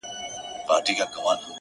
ه شعر كي دي زمـــا اوربــل دی-